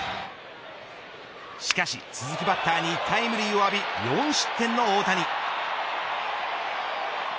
しかし続くバッターにタイムリーを浴び４失点の大谷。